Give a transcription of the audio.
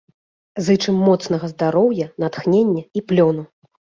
Зычым моцнага здароўя, натхнення і плёну!